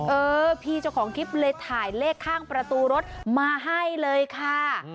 เออพี่เจ้าของคลิปเลยถ่ายเลขข้างประตูรถมาให้เลยค่ะ